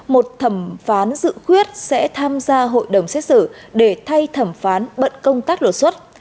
một thẩm phán dự quyết sẽ tham gia hội đồng xét xử để thay thẩm phán bận công tác lột xuất